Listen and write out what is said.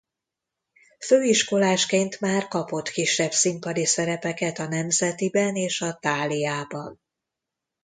Főiskolásként már kapott kisebb színpadi szerepeket a Nemzetiben és a Tháliában.